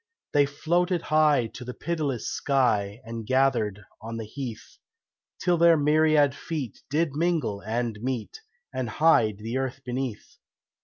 They floated high to the pitiless sky And gathered on the heath, Till their myriad feet did mingle and meet, And hide the earth beneath.